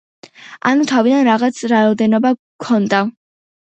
ანუ თავიდან რაღაც რაოდენობა გვქონდა.